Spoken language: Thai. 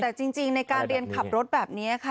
แต่จริงในการเรียนขับรถแบบนี้ค่ะ